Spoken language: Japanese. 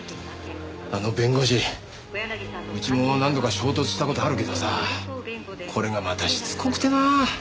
あの弁護士うちも何度か衝突した事あるけどさこれがまたしつこくてなあ。